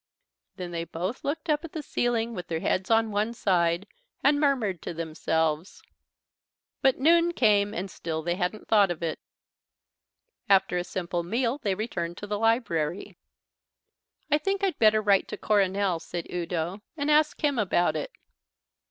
Then they both looked up at the ceiling with their heads on one side and murmured to themselves. But noon came and still they hadn't thought of it. After a simple meal they returned to the library. "I think I'd better write to Coronel," said Udo, "and ask him about it."